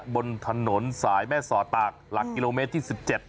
บนถนนสายแม่สอดตากหลักกิโลเมตรที่๑๗